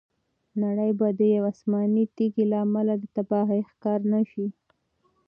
نړۍ به د یوې آسماني تیږې له امله د تباهۍ ښکار نه شي.